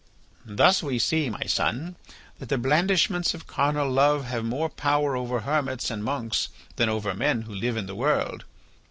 "Thus we see, my son, that the blandishments of carnal love have more power over hermits and monks than over men who live in the world.